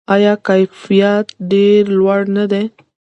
آیا کیفیت یې ډیر لوړ نه دی؟